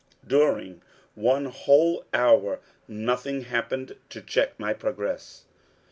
During one whole hour nothing happened to check my progress.